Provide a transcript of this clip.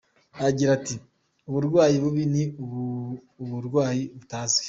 Agira ati “Uburwayi bubi ni uburwayi butazwi.